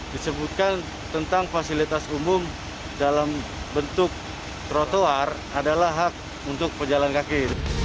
disebutkan tentang fasilitas umum dalam bentuk trotoar adalah hak untuk pejalan kaki